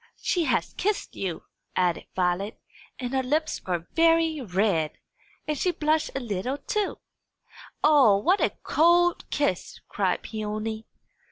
she has kissed you," added Violet, "and her lips are very red. And she blushed a little, too!" "O, what a cold kiss!" cried Peony.